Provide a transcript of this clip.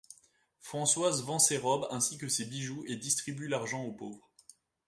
Françoise vend ses robes ainsi que ses bijoux et distribue l'argent aux pauvres.